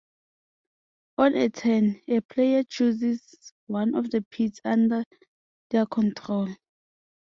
On a turn, a player chooses one of the pits under their control.